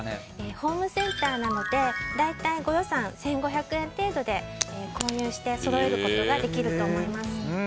ホームセンターなどで大体、ご予算１５００円程度で購入してそろえることができると思います。